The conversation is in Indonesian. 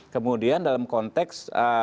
kemudian dalam konteks